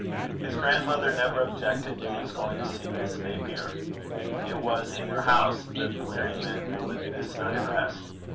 His grandmother never objected to his going to see Miss Napier; it was in her house that the weary men would this night rest.